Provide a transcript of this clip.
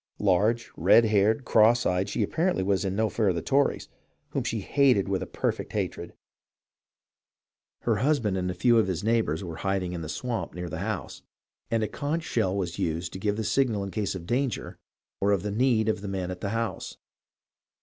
Large, red haired, cross eyed, she apparently was in no fear of the Tories, whom she hated with a perfect hatred. STORIES OF THE WAR IN THE SOUTH 359 Her husband and a few of his neighbours were in hiding in the swamp near the house, and a conch shell was used to give the signal in case of danger or of the need of the men at the house.